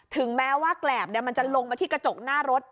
ถึงแม้ว่าแกรบมันจะลงมาที่กระจกหน้ารถ